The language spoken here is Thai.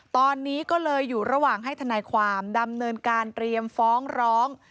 ตอนนี้ก็เลยอยู่ระหว่างให้ทนายความดำเนินการเตรียมฟ้องร้อง